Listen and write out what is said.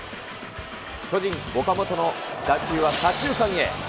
巨人、岡本の打球は左中間へ。